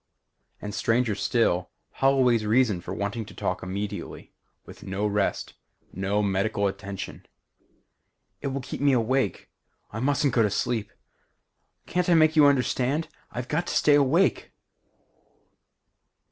And stranger still, Holloway's reason for wanting to talk immediately; with no rest no medical attention: "It will help keep me awake. I mustn't go to sleep. Can't I make you understand? _I've got to stay awake.